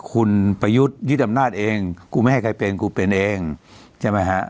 คุณประยุทธ์ยึดอำนาจเองกูไม่ให้ใครเป็นกูเป็นเองใช่ไหมฮะ